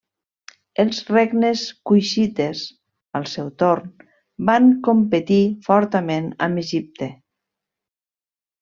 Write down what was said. Els regnes cuixites, al seu torn, va competir fortament amb Egipte.